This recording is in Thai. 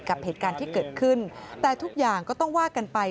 กับเหตุการณ์ที่เกิดขึ้นแต่ทุกอย่างก็ต้องว่ากันไป